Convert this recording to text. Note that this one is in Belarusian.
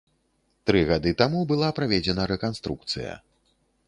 Тры гады таму была праведзена рэканструкцыя.